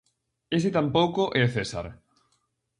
Ese tampouco é César.